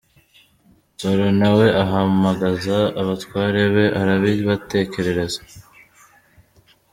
Nsoro na we ahamagaza abatware be, arabibatekerereza.